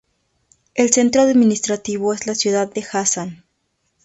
El centro administrativo es la ciudad de Hassan.